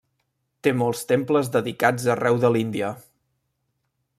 Té molts temples dedicats arreu de l'Índia.